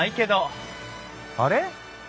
あれ？